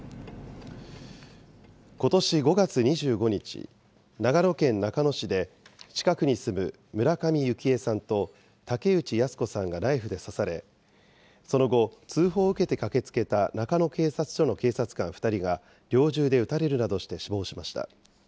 ことし５月２５日、長野県中野市で、近くに住む村上幸枝さんと竹内靖子さんがナイフで刺され、その後、通報を受けて駆けつけた、中野警察署の警察官２人が猟銃で撃たれるなどして死亡しました。